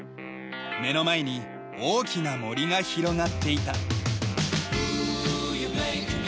目の前に大きな森が広がっていた。